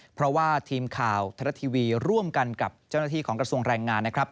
เพราะว่าทีมข่าวไทยรัฐทีวีร่วมกันกับเจ้าหน้าที่ของกระทรวงแรงงานนะครับ